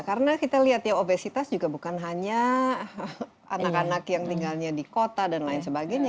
karena kita lihat ya obesitas juga bukan hanya anak anak yang tinggalnya di kota dan lain sebagainya